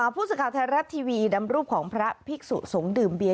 ผู้สังการธรรมดิวีดำรูปของพระภิกษุสงดื่มเบียร์